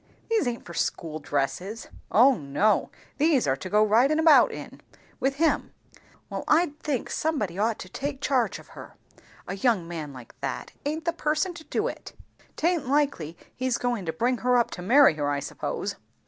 "These aint for school dresses." "O no; these are to go ridin' about in, with him." "Well I think, somebody ought to take charge of her. A young man like that, aint the person to do it Taint likely he's goin' to bring her up to marry her, I suppose."